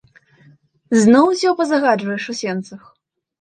Зноў усё пазагаджваеш у сенцах.